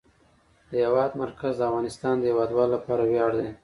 د هېواد مرکز د افغانستان د هیوادوالو لپاره ویاړ دی.